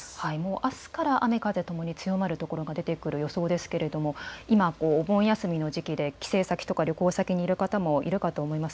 あすから雨、風ともに強まる所が出ている予想ですが今お盆休みの時期で帰省先とか旅行先にいる方もいるかと思います。